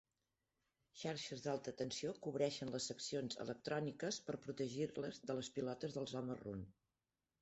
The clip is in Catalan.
Xarxes d'alta tensió cobreixen les seccions electròniques per protegir-les de les pilotes dels home run.